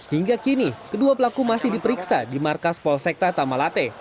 hingga kini kedua pelaku masih diperiksa di markas polsekta tamalate